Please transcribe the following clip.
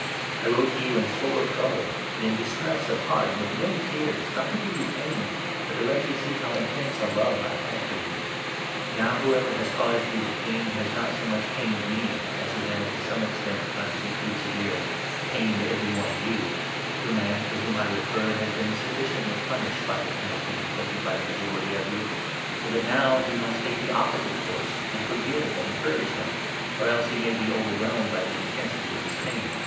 I wrote to you in sore trouble and 4 distress of heart and with many tears, not to give you pain, but to let you see how intense a love I have for you. Now whoever has caused the pain has not so much pained 5 me, as he has, to some extent — not to be too severe — pained II. CORINTHIANS, 2 3. 335 every one of you. The man to whom I refer has been 6 sufficiently punished by the penalty inflicted by the majority of you ; so that now you must take the opposite course, and 7 forgive and encourage him, or else he may be overwhelmed by the intensity of his pain.